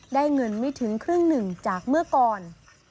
ได้เงินไม่ถึงครึ่งหนึ่งจากเมื่อก่อน